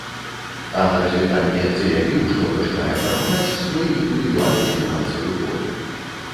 А на развітанне заявіў, што пачынае фармаваць свой індывідуальны фінансавы фонд.